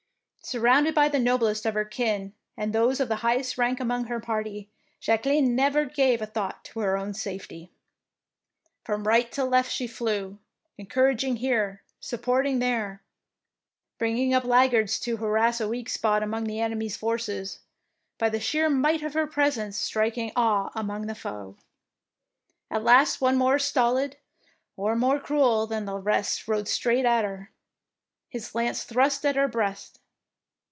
Surrounded by the noblest of her kin and those of the highest rank among her party, Jacqueline never gave a thought to her own safety. From right to left she flew, encour aging here, supporting there, bringing 91 DEEDS OF DAEING up laggards to harass a weak spot among the enemy's forces, by the sheer might of her presence striking awe among the foe. At last one more stolid or more cruel than the rest rode straight at her, his lance thrust at her breast.